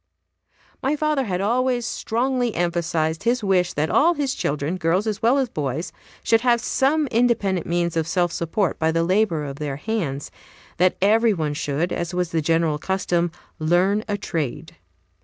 My father had always strongly emphasized his wish that all his children, girls as well as boys, should have some independent means of self support by the labor of their hands; that every one should, as was the general custom, "learn a trade."